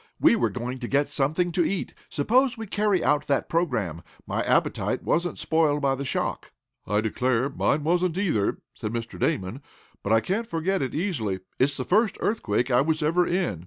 "We were going to get something to eat. Suppose we carry out that program. My appetite wasn't spoiled by the shock." "I declare mine wasn't either," said Mr. Damon, "but I can't forget it easily. It's the first earthquake I was ever in."